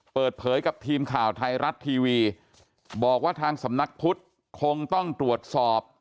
เปิดเผยกับทีมข่าวไทยรัฐทีวีบอกว่าทางสำนักพุทธคงต้องตรวจสอบ